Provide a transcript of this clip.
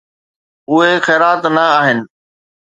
اهي خيرات نه آهن.